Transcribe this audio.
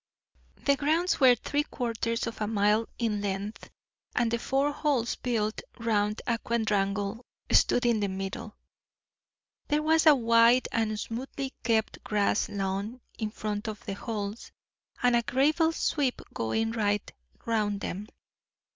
The grounds were three quarters of a mile in length, and the four halls, built round a quadrangle, stood in the middle. There was a wide and smoothly kept grass lawn in front of the halls, and a gravel sweep going right round them.